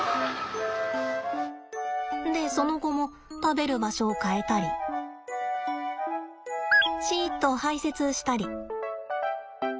でその後も食べる場所を変えたりシッと排せつしたり。